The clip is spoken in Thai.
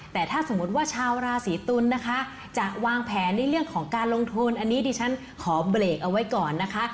แต่ถ้าสมมุติว่าชาวราศีตุลนะคะจะวางแผนในเรื่องของการลงทุนอันนี้ดิฉันขอเบรกเอาไว้ก่อนนะคะ